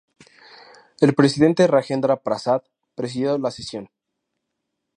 El presidente Rajendra Prasad presidió la sesión.